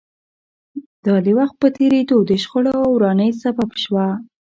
دا د وخت په تېرېدو د شخړو او ورانۍ سبب شوه